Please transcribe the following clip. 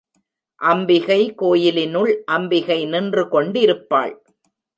அம்பிகை கோயிலுள் அம்பிகை நின்று கொண்டிருப்பாள்.